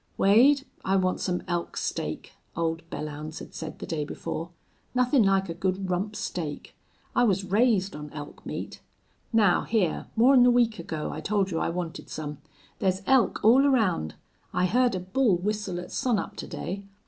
"Wade, I want some elk steak," old Belllounds had said the day before. "Nothin' like a good rump steak! I was raised on elk meat. Now hyar, more'n a week ago I told you I wanted some. There's elk all around. I heerd a bull whistle at sunup to day.